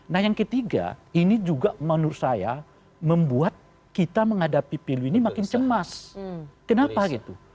nah yang ketiga ini juga menurut saya membuat kita menghadapi pilu ini makin cemas kenapa gitu